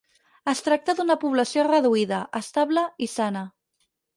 Es tracta d'una població reduïda, estable i sana.